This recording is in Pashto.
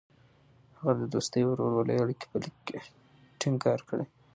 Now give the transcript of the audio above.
هغه د دوستۍ او ورورولۍ اړیکې په لیک کې ټینګار کړې.